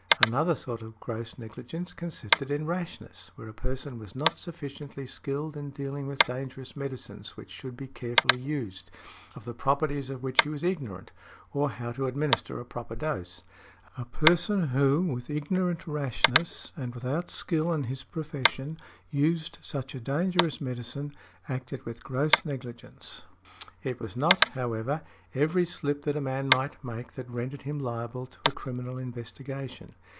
Another sort of gross negligence consisted in rashness, where a person was not sufficiently skilled in dealing with dangerous medicines which should be carefully used, of the properties of which he was ignorant, or how to administer a proper dose. A person who, with ignorant rashness, and without skill in his profession, used such a dangerous medicine, acted with gross negligence. It was not, however, every slip that a man might make that rendered him liable to a criminal investigation.